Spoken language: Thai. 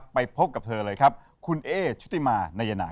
ไปพบกับเธอเลยครับคุณเอ๊ชุติมานายนา